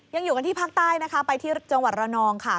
ยังอยู่กันที่ภาคใต้นะคะไปที่จังหวัดระนองค่ะ